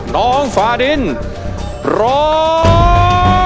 น้องฟาดินร้อง